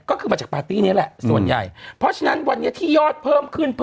ก็คือมาจากปาร์ตี้นี้แหละส่วนใหญ่เพราะฉะนั้นวันนี้ที่ยอดเพิ่มขึ้น